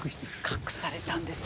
隠されたんです。